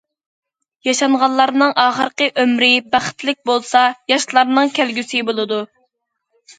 ياشانغانلارنىڭ ئاخىرقى ئۆمرى بەختلىك بولسا، ياشلارنىڭ كەلگۈسى بولىدۇ.